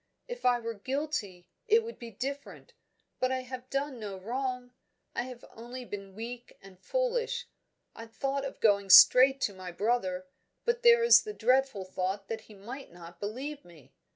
If I were guilty, it would be different. But I have done no wrong; I have only been weak and foolish. I thought of going straight to my brother, but there is the dreadful thought that he might not believe me.